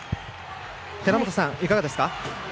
寺本さん、いかがですか。